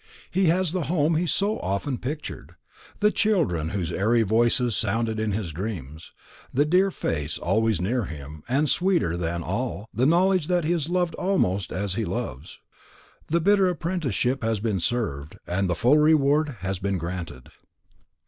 He has the home he so often pictured, the children whose airy voices sounded in his dreams, the dear face always near him, and, sweeter than all, the knowledge that he is loved almost as he loves. The bitter apprenticeship has been served, and the full reward has been granted.